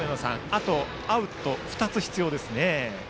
あとアウト２つ必要です。